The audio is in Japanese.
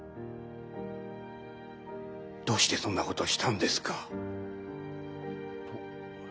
どうしてそんなことしたんですか？